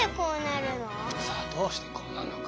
さあどうしてこうなるのか。